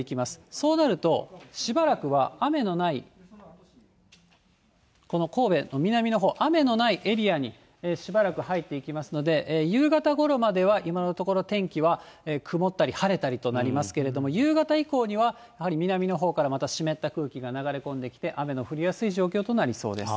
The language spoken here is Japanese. そうなると、しばらくは雨のない、この神戸の南のほう、雨のないエリアにしばらく入っていきますので、夕方ごろまでは、今のところ天気は曇ったり晴れたりとなりますけど、夕方以降には、やはり南のほうから湿った空気が流れ込んできて、雨の降りやすい状況となりそうです。